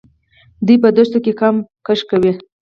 دوی په دښتو کې هم کښت کوي.